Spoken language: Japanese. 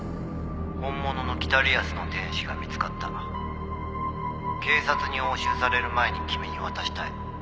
「本物の『北リアスの天使』が見付かった」「警察に押収される前に君に渡したい」